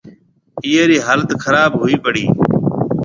اِيئي رِي حالت خراب هوئي پڙِي۔